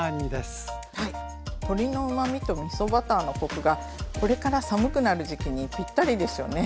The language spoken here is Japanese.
鶏のうまみとみそバターのコクがこれから寒くなる時期にぴったりですよね。